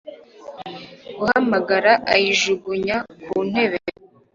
guhamagara ayijugynya kuntebe